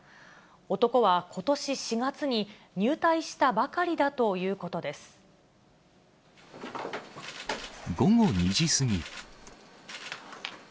男はことし４月に入隊したばかり午後２時過ぎ。